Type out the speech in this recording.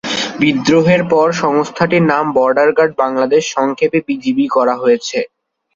বিদ্রোহের পর সংস্থাটির নাম বর্ডার গার্ড বাংলাদেশ বা সংক্ষেপে বিজিবি করা হয়েছে।